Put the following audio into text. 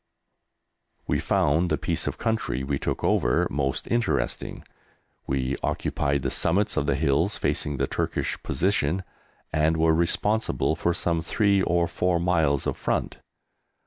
We found the piece of country we took over most interesting. We occupied the summits of the hills facing the Turkish position, and were responsible for some three or four miles of front.